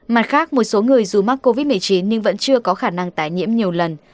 mặt khác một số người dù mắc covid một mươi chín nhưng vẫn chưa có khả năng tái nhiễm nhiều lần